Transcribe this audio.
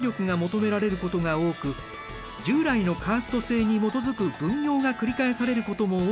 従来のカースト制に基づく分業が繰り返されることも多いんだ。